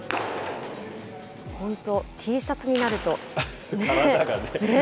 本当、Ｔシャツになるとね。